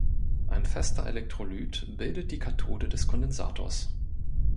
Ein fester Elektrolyt bildet die Kathode des Kondensators.